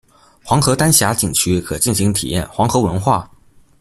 黄河丹霞景区可尽情体验黄河文化。